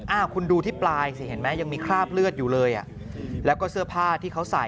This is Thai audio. อ้าวคุณดูที่ปลายสิเห็นไหมยังมีคราบเลือดอยู่เลยอ่ะ